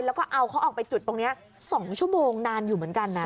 แล้วก็เอาเขาออกไปจุดตรงนี้๒ชั่วโมงนานอยู่เหมือนกันนะ